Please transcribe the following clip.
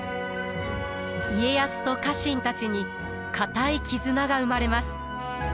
家康と家臣たちに固い絆が生まれます。